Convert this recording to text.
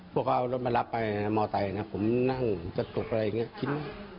พวกเขาเอารถมารับไปมอไซค์นะผมนั่งจะตกอะไรอย่างนี้กิน